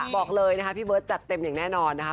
บอกเลยนะคะพี่เบิร์ตจัดเต็มอย่างแน่นอนนะคะ